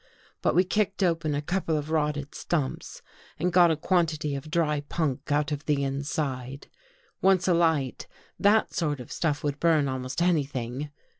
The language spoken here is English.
But we kicked open a couple of rotted stumps and got a quantity of dry punk out of the inside. Once alight, that sort of stuff would burn almost any thing.